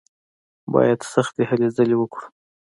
بايد سختې هلې ځلې وکړو.